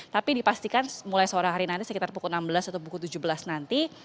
tapi dipastikan mulai sore hari nanti sekitar pukul enam belas atau pukul tujuh belas nanti